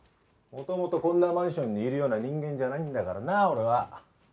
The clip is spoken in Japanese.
元々こんなマンションにいるような人間じゃないんだからな俺は。